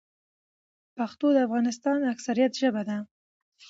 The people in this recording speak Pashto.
پښتو د افغانستان اکثريت ژبه ده.